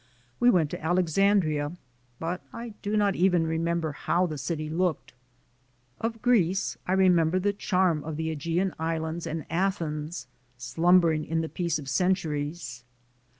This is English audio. We went to Alexandria, but I do not even remember how the city looked. Of Greece I remember the charm of the ^Egean Islands and Athens, slumbering in the peace of centuries.